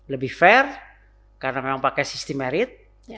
lebih fair karena memang pakai sistem merit